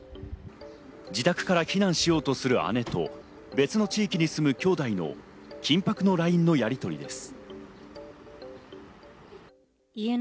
自宅から避難しようとする姉と、別の地域に住むきょうだいの緊迫のＬＩＮＥのやりとりです。